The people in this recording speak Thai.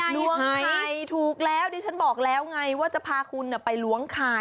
ล้วงไข่ถูกแล้วดิฉันบอกแล้วไงว่าจะพาคุณไปล้วงไข่